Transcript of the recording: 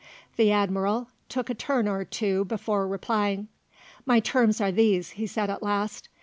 The Admiral took a turn or two before replying. "My terms are these," he said at last.